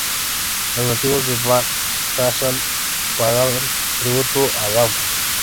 Los nativos de Bahr el Ghazal pagaban tributo a Darfur.